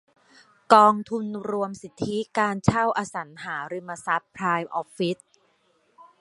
กองทุนรวมสิทธิการเช่าอสังหาริมทรัพย์ไพร์มออฟฟิศ